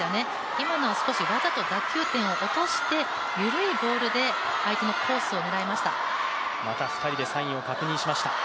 今のは少しわざと打球点を落として緩いボールでまた２人でサインを確認ししました。